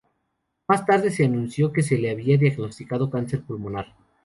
Más tarde se anunció que se le había diagnosticado cáncer pulmonar.